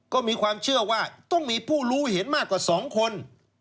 ก็มีความเชื่อว่าต้องมีผู้รู้เห็นมากกว่า๒คน